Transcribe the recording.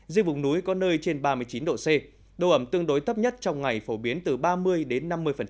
riêng vùng núi có nơi trên ba mươi chín độ c độ ẩm tương đối thấp nhất trong ngày phổ biến từ ba mươi đến năm mươi